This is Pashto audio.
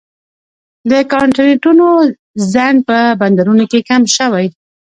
د کانټینرونو ځنډ په بندرونو کې کم شوی